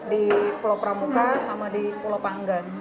di pulau pramuka sama di pulau panggang